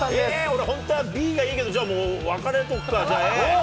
俺、本当はＢがいいけど、じゃあもう、分かれとくか、じゃあ、Ａ。